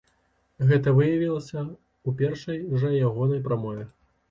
Гэта выявілася ў першай жа ягонай прамове.